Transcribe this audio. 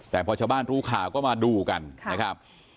แต่พอชาวบ้านรู้ข่าวก็มาดูกันนะครับ